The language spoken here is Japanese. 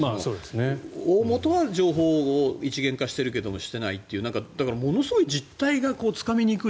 大本は情報を一元化しているけどしてないというだから、ものすごい実態がつかみにくい。